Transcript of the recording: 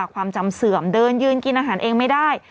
ความจำเสื่อมเดินยืนกินอาหารเองไม่ได้